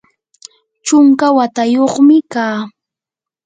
chunka watayuqmi kaa.